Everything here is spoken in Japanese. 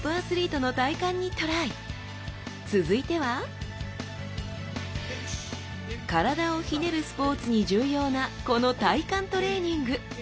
続いては「体をひねる」スポーツに重要なこの体幹トレーニング！